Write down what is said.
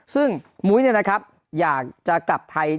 ซึ่งมุ้ยเนี่ยนะครับอย่างจะกลับทัย